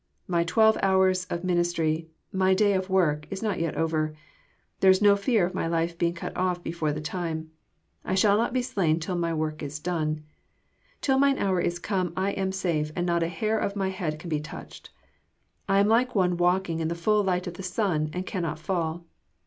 My twelve hours of ministry, my day of work, is not yet over. There is no fear of my life being cut off before the time : I shall not be slain till my work is done. Till mine hoar is come I am safe, and not a hair of my head can be touched. I am like one walking in the full light of the sun, and cannot fall.